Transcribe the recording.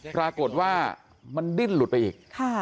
ปรากฏว่ามันดิ้นหลุดไปอีก